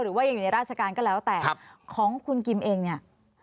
หรือว่ายังอยู่ในราชการก็แล้วแต่ของคุณกิมเองเนี่ย